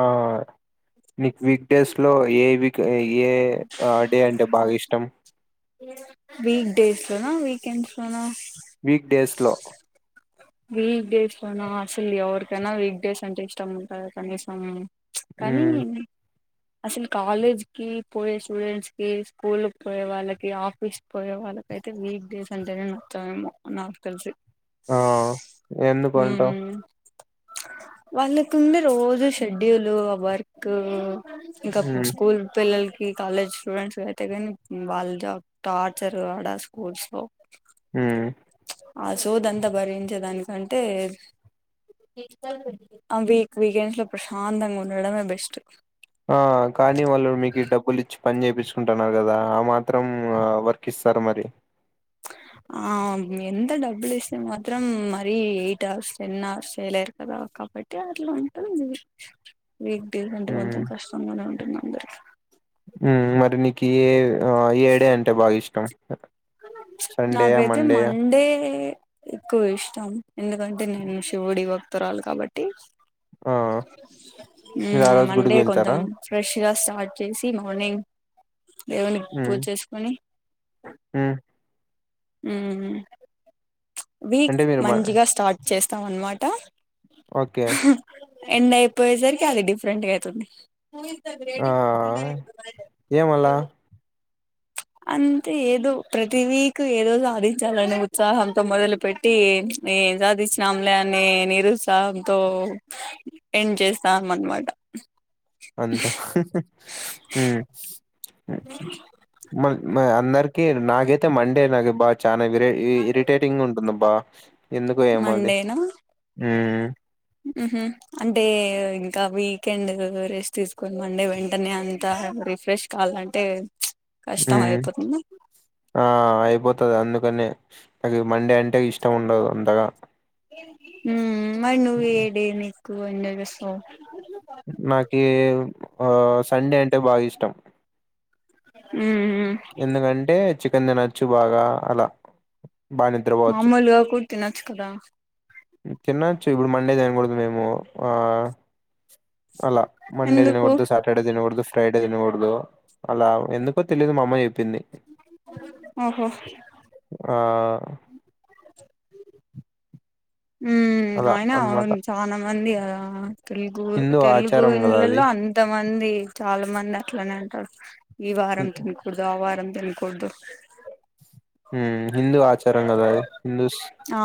ఆ నిక్వీక్ డేస్ లో ఏ విక్ ఏ అ డే అంటే బాగ ఇష్టం వీక్ డేస్ లోన వీకెండ్స్ లోనా వీక్డేస్ లో వీక్ డేస్లోన అసల్ ఎవరికైనా వీక్ డేస్ అంటే ఇష్టం ఉంటదా కనీసం కనీ ఉమ్ అసల్ కాలేజ్ కి పోయే స్టూడెంట్స్ కి స్కూల్ పోయే వాళ్ళకి ఆఫీస్ పోయే వాళ్ళకి అయితె వీక్ డేస్ అంటనె నచ్చాదేమో నాకు తెలిసి ఆ ఎందుకంటవ్ ఉమ్ వాళ్ళకుంది రోజూ షెడ్యూలూ వర్కూ ఇంక ఉమ్ స్కూల్ పిల్లల్ ఈ కాలేజ్ స్టూడెంట్స్ అయితే గాని వాళ్ళ టార్చర్ ఆడ స్కూల్స్ లో ఉమ్ ఆ సోదంత ఏంచే దానికంటే ఆ వీక్ వీకెండ్స్ లో ప్రశాంతంగా ఉండడమే బెస్ట్ ఆ కానీ వాళ్ళు మీకి డబ్బులు ఇచ్చు పని చేపిచ్చుకుంటున్నారు కదా ఆ మాత్రం ఆ వర్క్ ఇస్తారు మరి ఆ ఎంత డబ్బులు ఇస్తె మాత్రం మరీ ఎయిట్ అవర్స్ టెన్ అవర్స్ చేయలేరు కదా కాబట్టి అట్ల ఉంటుందీ వీక్ డేస్ కంటే ఉమ్ కొంచం కష్టంగానే ఉంటున్న అందరికి హ్మ్ మరి నీకి ఏ ఆ ఏడే అంటే బాగా ఇష్ టం నాకైతే మండే ఎక్కువ ఇష్టం ఎందుకంటే నేను శివుడి భక్తురాలు కాబట్టి ఆ మీరు ఆ మ్మ్ రోజు గుడికి మండే వెళ్తారా కొంచం ఫ్రెష్ గా స్టార్ట్ చేసి మార్నింగ్ దేవున్ని పూచేసుకొని మ్ ఉమ్ వీక్ అంటే మీరు మ మంచిగా స్టార్ట్ చేస్ త అన్మాట ఓకే [inaudible] ఎండ్ అయిపోయేసరికి అది డిఫరెంట్ గా అయితుంది ఆ ఏమలా అంతే ఏదో ప్రతి వీక్ ఏదో సాధించాలనే ఉత్సాహంతో మొదలుపెట్టి ఏం సాధించినాంలే అని నిరుత్సాహంతో ఎండ్ చేస్తాం అన్మాట అంతే హ్మ్ హ్మ్ మ్ [unintelligible] మ అందరికి నాకైతే మండే నాకు బా చానా విరే ఇ ఇరిటేటింగ్ ఉంటుంద బాక్స్ మండేనా హ్మ్ మ్ హ్ అంటే ఇంకా వీ కెండ్ రెస్ట్ తీస్కుని మండే వెంటనే అంత రిఫ్రెష్ కాలంటే ఉ ఆ అయిపోతది అందుకనే నాకి మండే అంటే ఇష్టముండదు అంతగా మ్ మరి నువ్ ఏడేని [unintelligible] విశ్వం నాకీ ఆ సండే అంటే బా ఇష్ టం ఉమ్ ఎందుకంటే చికెన్ తినొచ్చు బాగా అలా బా నిద్రపోవచ్చు తినచ్చు కదా తినచ్చు, ఇప్పుడు మండే తినకూడదు మేము ఆ అలా మండే ఎందుకు దినగూడదు సాటర్డే దినగూడదు ఫ్రై తినకూడదు అలా ఎందుకో తెలియదు మా అమ్మ చెప్పింది ఆఓహో ఆ హ్మ్ అలా అయిన అన్నమాట అవును చాలా మంది తెలుగు హిందూ తెలుగు ఆచారం కదా అది ఇండ్లలో అంత మంది ఉంది చాలా మంది అట్లనే అంటారు ఈ వారం తినకూడదు ఆ వారం దినకూడదు హిందూ ఆచారణ ఆ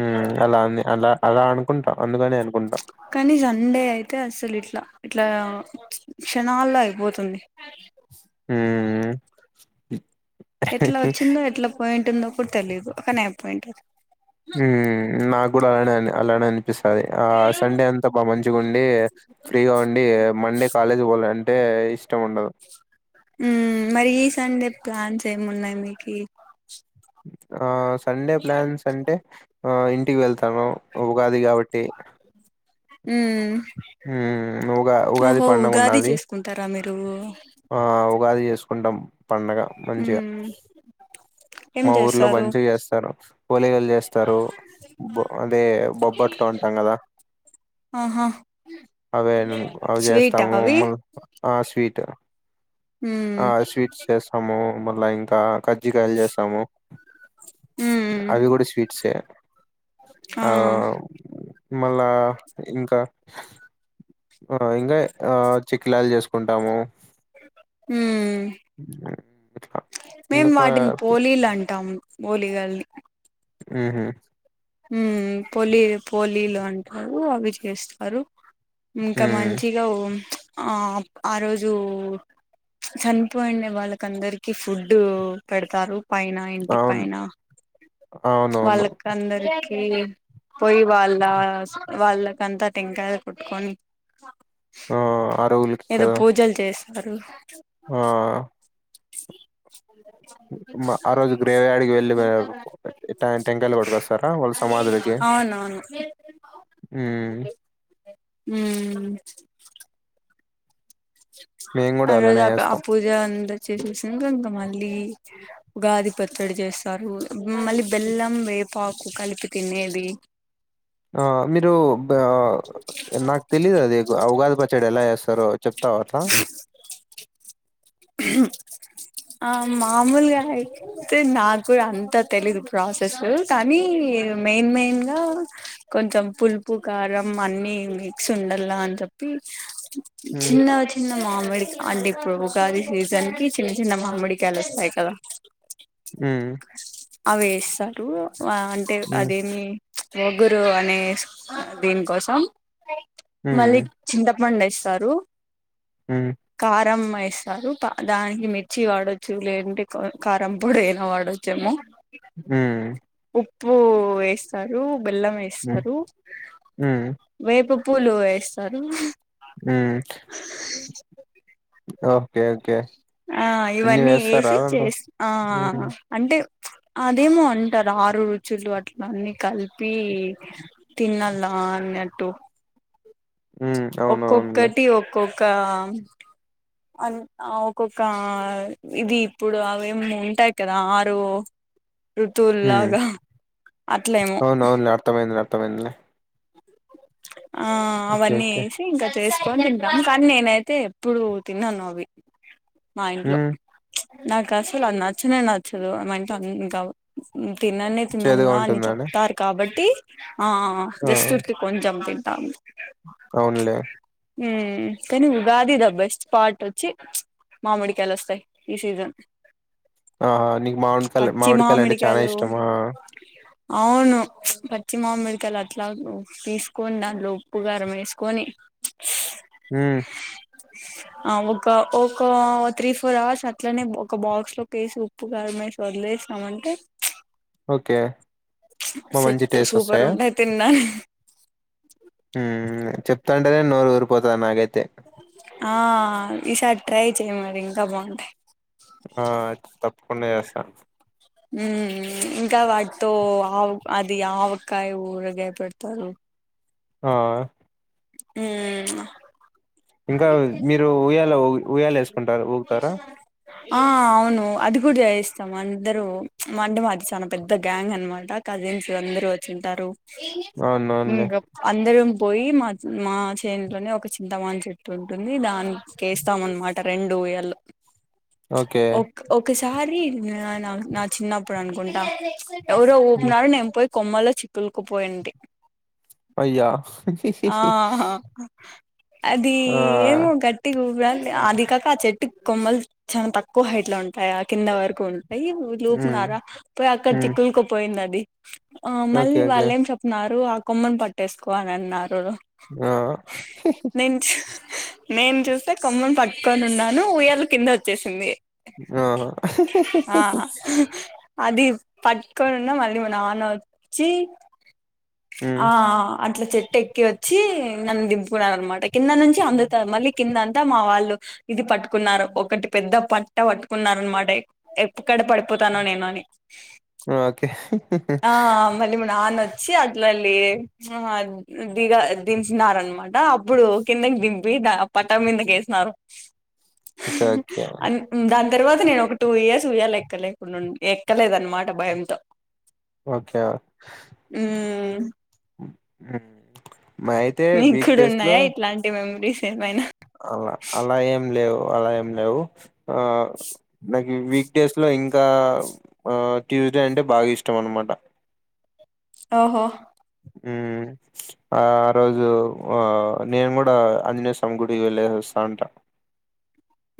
ఉ అలా అని అలా అలా అనుకుంటా అందుకనే అనుకుంటా కానీ సండే అయితే అసలు ఇట్లా ఇట్లా క్షణాల్లో అయిపోతుంది హ అ ఎట్లా వచ్చిందో ఎట్లా పోయింట్ అందో కూడా తెలియదు ఒక నయి పాయింట్ ఉ నాకు కూడా అలానేను అలా ఎన్ పిస్తుంది ఆ సండే అంతా బాగా మంచిగా ఉండి ఫ్రీగా ఉండి మండే కాలేజ్ పోాలంట అ ఉ మరి ఈ సండే ప్లాన్స్ ఏమి ఉన్నాయి మీకీ ఆ సండే ప్లాన్స్ అంటే ఆ ఇంటికి వెళ్తాను ఉగాది కాబట్టి ఉ ఉగా ఉగాది పండుగ ఉన్నది డూ ఆ ఉగాది చేసుకుంటాం పండగ మంచిగా మ్మ్ ఏం మా ఊర్లో చేస్తారు మంచిగా చేస్తారు ఒలిగలు చేస్తారు బ అదే బొబ్బట్లు అంటాం కదా ఆహా అవే అవి స్వీటా చేస్తాము అవి మ ఆ స్వీట్ మ్మ్ ఆ స్వీట్స్ చేస్తాము ముల్లంగ్ కజ్జికయలు చేస్తాము మ్మ్ అవి కూడా స్వీట్సే ఆ మళ్ళా ఇంకా ఆ ఇంకా ఆ చిక్కిలాల్ చేసుకుంటామూ. మ్మ్ ఇంకొకా మోలిగాల్ని ఊహు ఉ పోలి పోలీలు అంటారూ అవి చేస్తారు. ఇంకా మ్ మంచిగా ఓ ప్చ్ ఆ ఆ రోజూ చనిపోయిండే వాళ్ళకందరికి ఫుడ్డూ పెడతారు. పైన ఇంటి అవును పైన అవునవును వాళ్ళకి అందర్ హ పోయి వాళ్లాస్ వాళ్ళకంతా టెంకాయల్ కొట్టుకోని ఆ అరువులకి ఏదో కదా పూజల్ చేస్ అ ఆ మ- ఆ రోజు గ్రేవ్ యాడికి వెళ్ళి వే- టె- టెంకాయలు కొట్టుకొస్తారా వాళ్ళ సమాధులకి అ అవునువును. మ్మ్ ఉమ్ మేము కూడా ఆ రోజు అలానే ఆ చేస్తాం పూజ అందరు చేసేసిండ్రు ఇంక మల్ మళ్ళీ ఉగాది పచ్చడి చేస్తారు, మళ్ళీ బెల్లం వేపాకు కలిపి తినేదీ ఆ మీరూ ఆ నాక్ తెలీదు అది ఉగాది పచ్చడి ఎలా చేస్తారో చెప్తావ. ఆ ఆ మామూలుగా అయితే, నాకు అంతా తెలీదు ప్రాసెసూ కానీ మెయిన్ మెయిన్ గా కొంచెం పులుపు, కారం అన్నీ మిక్స్ ఉండల్లా అని చెప్పి మ్మ్ చిన్న న మామిడి అంటే ఇపుడు ఉగాది సీజన్ కి చిన్న చిన్న మామిడికాయలు వస్తాయి కదా. మ్మ్ అవి ఏస్తారూ. ఆ అంటే మ్మ్ అదేమీ ప్చ్ వగురూ అనేస్ దీన్కోసం. మళ్ళీ మ్మ్ చింత మందేస్తారూ. హ్మ కారం వేస్తారు దానికి మిర్చి వాడొచ్చు లేదంటే కారం పొడైనా వాడొచ్చేమో మ్మ్ ఉప్పు వేస్తారు బెల్లం మ్మ్ వేేస్తారు మ్మ్ వేప పు పూలు వేస్తారు మ్మ్ ఓకే ఓకే ఆ ఇన్ని ఇవన్నీ వేస్తారా ఏసి దాంట్లో చేసి ఆ మ్మ్ ఆ అంటే అదేమో అంటారు ఆరు రుచులు అట్ల అన్నీ కలిపి తిన్నాల అన్నట్టు మ్మ్ అవునవునులే ఒక్కొక్కటి ఒక్కొ క అ ఒక్కొక్క ఇది ఇప్పుడు అవేం ఉంటాయి కదా ఆరు మ్మ్ ఋతువుల్లాగా అట్లేమో త్తమైందిలే ఆ అవన్నీ ఓకే ఏసి ఇంకా చేసుకొని తింటాం కానీ నేనైతే ఎప్పుడు తిన్నాను అవి మా ఇంట్లో మ్మ్ నాకు అసలు అది నచ్చనే నచ్చదు మా ఇంట్ [unintelligible] తిననే తినాల చేదుగా అని ఉంటుందా అండి చెప్తారు కాబట్టి తి ఆ ఆ ఆ జస్ట్ ఇటు కొంచెం తింటాం అవునులే ఉమ్ కానీ ఉగాది ఇదా బెస్ట్ స్పాట్ వచ్చి మామిడికాయలొస్తాయి ఈ సీజన్ ఆహా నీకు మామిడికాయ మామిడికాయలు అంటే చాలా ఇష్టమా అవును పచ్చచి మామిడికాయల్ అట్లా తీసుకొని దానిట్లో ఉప్పు గారం వేసుకొని మ్ ఆ ఒక ఒక త్రీ ఫోర్ అవర్స్ అట్లనే ఒక బాక్స్ లో వేసి ఉప్పు కారం ఏసి వదిలేసామంటే ఓకే బా సెట్ మంచి టేస్ట్ సూపర్ వస్తాయా [unintelligible] మ్ మ్ చెప్తాంటేనే నోరూర్ పోతా ఉంది నాగైతే ఆ ఆ ఈసారి ట్రై చేయ్ మరి ఇంకా బాగుంటాయి ఆ తప్ కుండ చేస్తాను ఉ ఇంకా వాటితో హౌ అది ఆవకాయ ఊరగాయ పెడతారు ఆ హ ఇంకా మీరు ఉయ్యాలఊ ఉయాల వేసుకుంటారు ఊగుతారా ఆ అవును అది కూడా చేయిస్తాం అందరూ మండం అది చాలా పెద్ద గ్యాంగ్ అనమాట కజిన్స్ అందరు వచ్చింటారు అవునవునులే. అందరం పోయి మా మా చేనులోనే ఒక చింతమాన్ చెట్టు ఉంటుంది దానికి కేస్తాంమమాట రెండు ఊయల్ ఓకే. ఒక్ ఒకసారి నా నా చిన్నప్పుడు అనుకుంటా ఎవరు హ్మ్. ఊప్పునడు నెంపకి కొమ్మల చిక్కులుకుపోయిడి ప్రై యాప్స్ ఆహా అది ఆ! ఏమో గట్టి గుబ్రా అది కాక ఆ చెట్టు కొమ్మలు చాలా తక్కువ హైట్ లో ఉంటాయి ఆ కింద వరకు అయ హ్మ్. పునారా పోయి అక్కడ హ్మ్. చిక్కులులకుపోయింది అది ఆ మళ్ళీ ఓకే. ఓకే. వాళ్ళేం చెప్తున్నారు ఆగు కొమ్మను పట్టేసుకోవల అన్నారు ఆ నేను చూ నేను చూస్తే కొమ్మం పట్టుకొని ఉన్నాను ఉయ్యాల కింద వచ్చేసింది ఆ ఆ అది పట్టుకోన్న మళ్ళీ నాన్ వచ్చి హ్మ్. ఆ అట్ల చెట్ వచ్చి నన్ను దింపుకునార అనమాట కింద నుంచి అందుతారు మళ్ళీ కింద అంత త మా వాళ్ళు ఇది పట్టుకున్నారు ఒకటి పెద్ద పట్ట పట్టుకున్నారు అనమాట ఎప్పుక్కడ పడిపోతానో నేను అని హా ఓకే. చ్చట్ లోల్ అది. దిగ దించినరా అనమాట అప్పుడు కిందకి దింపి పట్టా మీదికి వేసినారు. ఓకే. ఓకే. అన్ దాన్. తర్వాత నేను ఒక టూ ఇయర్స్ ఉయ్యాలే, ఎక్కలేకుడావు ఎక్కలేదన్నమాట భయంతో. ఓకే అ మ్మ్ మీ కూడా ఉన్నాయా ఇట్లాంటివి అన్నీ బి సేఫ్ అయినా అవునా అలా ఏం లేవు అలా ఏం లేవు. ఆ న. వీక్డేస్ లో ఇంకా ట్యూస్డే అంటే బాగా ఇష్టం అన్న మాట. ఓహో. ఉ ఆ ఆ రోజు ఆ నేను కూడా అంజనేయస్వామి గుడికి వెళ్ళేసి వస్తా అంట.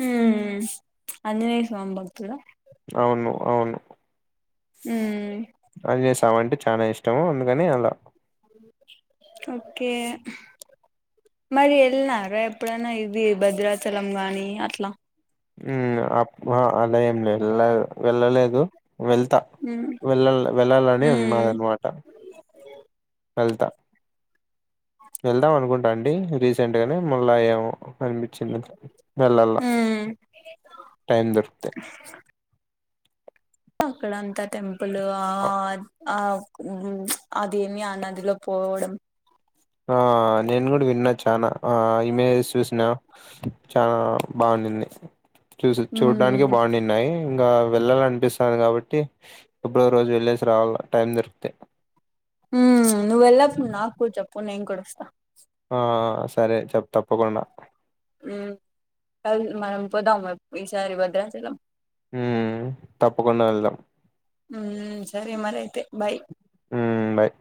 ఉమ్ ఆంజనేయస్వామి భక్తుడా అవును, అవును. ఉమ్ ఆమె అంటే చాలా ఇష్టం. అందుకని అలా. అగ్ ఓకే, మరి వెళ్ళినారా ఎప్పుడైనా ఇది భద్రాచలం కా నీ అట్లా. ఉమ్ అలా ఏం ఏళ్ళలేదు. వెళ్ళలేదు వెళ్తా మ్మ్ వెళ్ళ వెళ్ళాలని మ్మ్ ఉన్నదన్నమాట. వెళ్తా. వెళ్దాం అనుకుంటా అండి, రీసెంట్ గానే మల్లా ఏమో అనిపించింది. వెెళ్ళల మ్మ్ టైం దొరకుతే. అక్కడ అంతా తెెం. ప్పులు ఆ ఆవ్ అదేమి ఆ నదిలో పోవడం. ఆ నేను కూడా విన్నా చనా ఆ ఇమేజెస్ చూసినా చనా బాగుంది. చూసి చూడానికి మ్మ్ బాగున్నాయి. ఇంకా వెళ్ళాల అనిపిస్తుంది. కాబట్టి ఎప్పుడో రోజు వెళ్ళేసి రావాల టైం దొరికితే. వుండు నేను కూడా వస్తా.. ఆ సరే చెప్ తప్పకుండా. మనం పోదాము ఈసారి భద్రాచలం. ఉమ్ తప్పకుండా వెళ్దాం. మ్మ్ సరే మరైతే బాయ్. ఉమ్ బాయ్.